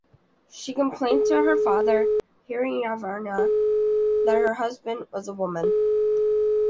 She complained to her father, Hiranyavarna, that her husband was a woman.